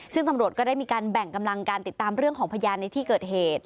ซึ่งตำรวจก็ได้มีการแบ่งกำลังการติดตามเรื่องของพยานในที่เกิดเหตุ